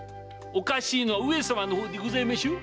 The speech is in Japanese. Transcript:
おかしいのは上様の方でございましょう。